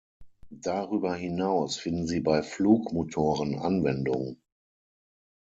Darüber hinaus finden sie bei Flugmotoren Anwendung.